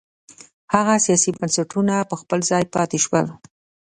هغه سیاسي بنسټونه په خپل ځای پاتې شول.